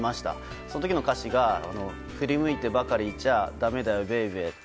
その時の歌詞が「振り向いてばかりいちゃだめだよＢＡＢＹ」。